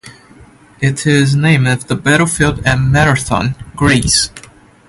It is named after the battlefield at Marathon, Greece.